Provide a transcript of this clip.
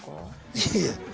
いやいや。